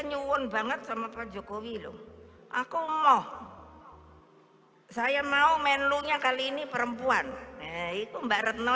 nyuwun banget sama pak jokowi loh aku mau saya mau menlunya kali ini perempuan itu mbak retno